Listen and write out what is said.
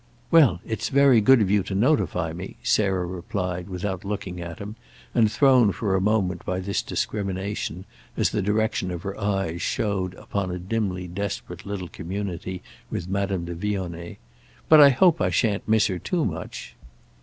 "Well, it's very good of you to notify me," Sarah replied without looking at him and thrown for a moment by this discrimination, as the direction of her eyes showed, upon a dimly desperate little community with Madame de Vionnet. "But I hope I shan't miss her too much."